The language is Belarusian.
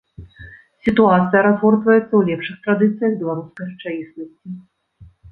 Сітуацыя разгортваецца ў лепшых традыцыях беларускай рэчаіснасці.